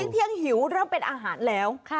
เที่ยงหิวเริ่มเป็นอาหารแล้ว